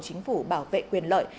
chính phủ bảo vệ quyền lợi